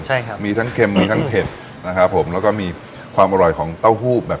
ใช่ครับมีทั้งเค็มมีทั้งเผ็ดนะครับผมแล้วก็มีความอร่อยของเต้าหู้แบบ